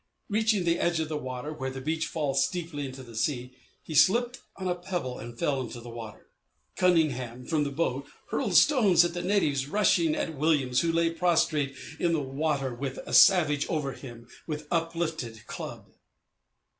Reaching the edge of the water, where the beach falls steeply into the sea, he slipped on a pebble and fell into the water. Cunningham, from the boat, hurled stones at the natives rushing at Williams, who lay prostrate in the water with a savage over him with uplifted club.